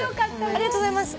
ありがとうございます。